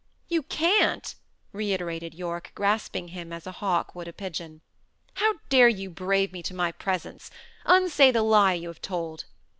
"You can't!" reiterated Yorke, grasping him as a hawk would a pigeon. "How dare you brave me to my presence? Unsay the lie you have told."